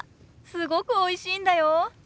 すごくおいしいんだよ。